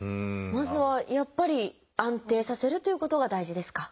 まずはやっぱり安定させるということが大事ですか？